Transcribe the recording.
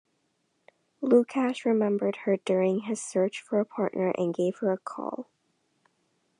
Lucash remembered her during his search for a partner and gave her a call.